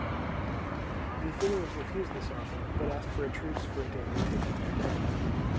The Athenians refused this offer, but asked for a truce for a day to take up their dead.